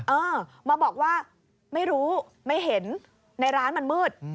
เออมาบอกว่าไม่รู้ไม่เห็นในร้านมันมืด